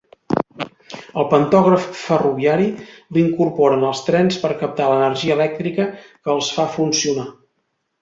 El pantògraf ferroviari l'incorporen els trens per captar l'energia elèctrica que els fa funcionar.